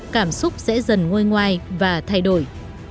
cảm xúc sẽ dần ngôi ngoài và thay đổi